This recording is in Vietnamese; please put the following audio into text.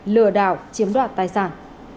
lừa đảo chiếm đoạt tài sản